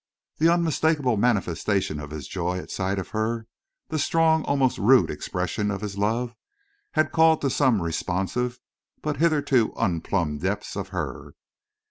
The unmistakable manifestation of his joy at sight of her, the strong, almost rude expression of his love, had called to some responsive, but hitherto unplumbed deeps of her.